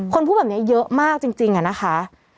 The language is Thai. พูดแบบนี้เยอะมากจริงอะนะคะ